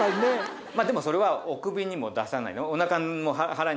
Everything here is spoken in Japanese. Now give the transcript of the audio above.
でもそれはおくびにも出さない。